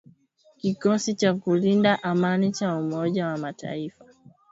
kikosi cha kulinda amani cha umoja wa mataifa